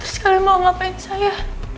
terus kalian mau ngapain saya